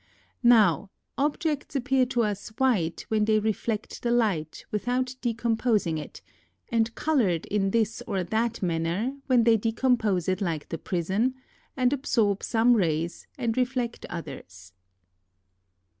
Now, objects appear to us white, when they reflect the light, without decompo sing it, and coloured in this or that manner, when they decom pose it like the prism, and absorb some rays and reflect others.